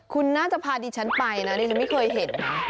คุณน่าจะพาดิฉันไปนะดิฉันไม่เคยเห็นนะ